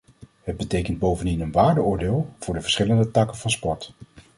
Het betekent bovendien een waardeoordeel voor de verschillende takken van sport.